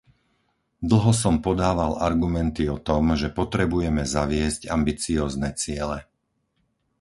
Dlho som podával argumenty o tom, že potrebujeme zaviesť ambiciózne ciele.